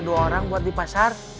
agus minta dua orang buat di pasar